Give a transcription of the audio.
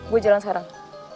gue jalan sekarang